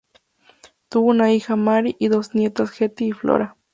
Tuvo una hija, Mary, y dos nietas, Hetty y Flora.